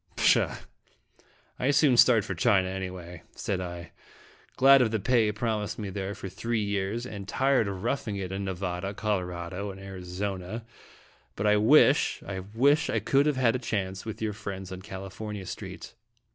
" Pshaw ! I soon start for China, anyway," said I "glad of the pay promised me there for three years, and tired of roughing it in Nevada, Colorado, and Arizona; but I wish I wish I could have had a chance with your friends on California street."